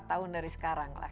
lima tahun dari sekarang lah